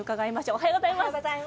おはようございます。